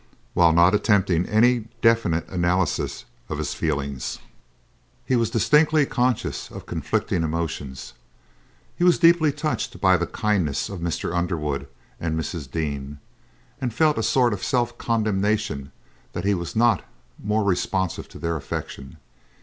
While not attempting any definite analysis of his feelings, he was distinctly conscious of conflicting emotions. He was deeply touched by the kindness of Mr. Underwood and Mrs. Dean, and felt a sort of self condemnation that he was not more responsive to their affection.